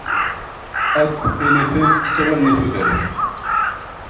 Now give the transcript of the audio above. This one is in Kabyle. Akk initen ssawalen i tudert.